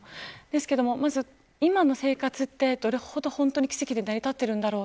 ですけども、今の生活ってどれほどの奇跡で成り立っているんだろう。